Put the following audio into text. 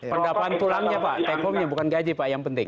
pendapatan pulangnya pak take home nya bukan gaji pak yang penting